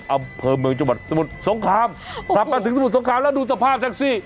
อำเภอเมืองจังหวัดสมุทรสงครามขับมาถึงสมุทรสงครามแล้วดูสภาพแท็กซี่